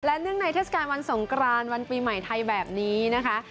เนื่องในเทศกาลวันสงกรานวันปีใหม่ไทยแบบนี้นะคะ